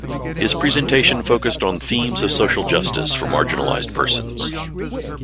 His presentation focused on themes of social justice for marginalized persons.